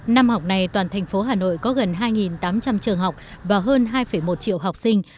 năm học này toàn thành phố hà nội có gần hai tám trăm linh trường học và hơn hai một triệu học sinh